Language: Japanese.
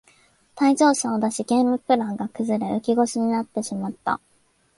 退場者を出しゲームプランが崩れ浮き腰になってしまった